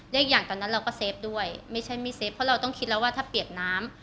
อีกอย่างตอนนั้นเราก็เซฟด้วยไม่ใช่ไม่เฟฟเพราะเราต้องคิดแล้วว่าถ้าเปียกน้ำ